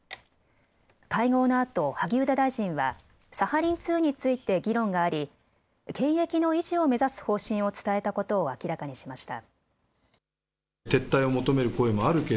会合のあと萩生田大臣はサハリン２について議論があり権益の維持を目指す方針を伝えたことを明らかにしました。